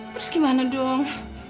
terus gimana dong